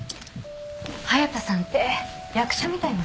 隼田さんって役者みたいなんですよ。